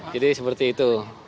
jadi seperti itu